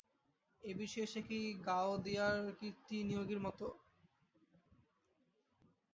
এ বিষয়ে সে কি গাওদিয়ার কীর্তি নিয়োগীর মতো?